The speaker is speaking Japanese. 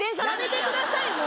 やめてください